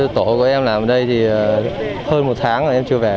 tổ của em làm ở đây thì hơn một tháng là em chưa về